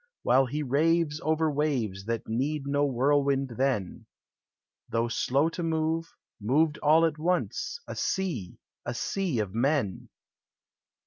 While he raves over wavi That ueed no wh'nlw ind then ; Though slow to move, moved all at on< A sea, a S6S of mm !